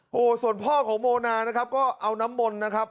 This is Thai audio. โอ้โหส่วนพ่อของโมนานะครับก็เอาน้ำมนต์นะครับ